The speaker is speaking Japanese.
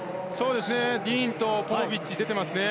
ディーンとポポビッチが出ていますね。